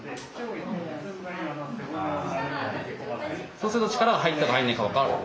そうすると力が入ったか入らないか。